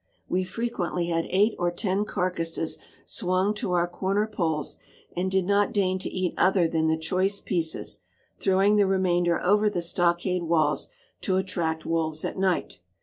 We frequently had eight or ten carcasses swung to our corner poles, and did not deign to eat other than the choice pieces, throwing the remainder over the stockade walls to attract wolves at night.